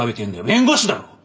弁護士だろ！？